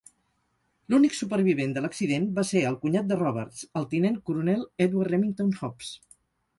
L'únic supervivent de l'accident va ser el cunyat de Roberts, el tinent coronel Edward Remington-Hobbs.